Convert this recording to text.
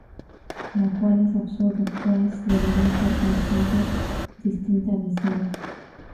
Lo cual es absurdo pues debería ser constante distinta de cero.